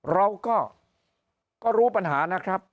เราก็รู้ปัญหานะครับ